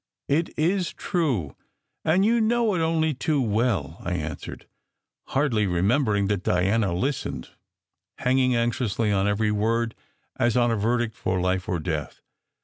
"It is true, and you know it only too well," I answered, hardly remembering that Diana listened, hanging anxiously on every word as on a verdict for life or death.